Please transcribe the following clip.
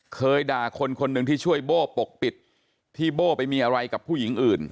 เคยด่าคนคนหนึ่งที่ช่วยโบ้ปกปิดที่โบ้ไปมีอะไรกับผู้หญิงอื่น